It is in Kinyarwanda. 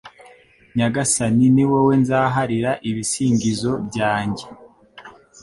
Nyagasani ni wowe nzaharira ibisingizo byanjye